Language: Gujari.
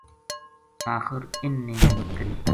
آخر اِنھ نے ہمت کری